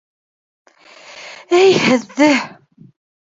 Әй һеҙҙе!